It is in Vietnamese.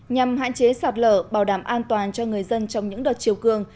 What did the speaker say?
nhằm hạn chế sạt lở bảo đảm an toàn cho người dân trong những đợt chiều cường